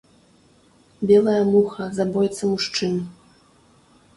Белая муха, забойца мужчын.